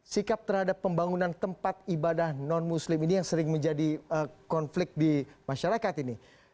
sikap terhadap pembangunan tempat ibadah non muslim ini yang sering menjadi konflik di masyarakat ini